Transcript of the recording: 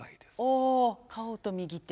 おお顔と右手。